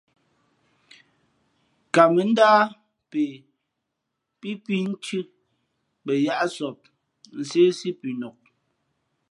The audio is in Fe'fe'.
Nkamα̌ ndáh pe pí phínthʉ̄ mbα yáʼsap nséhsí pʉnok.